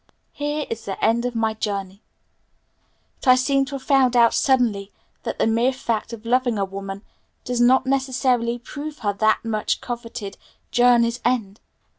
'Here is the end of my journey,' but I seem to have found out suddenly that the mere fact of loving a woman does not necessarily prove her that much coveted 'journey's end.'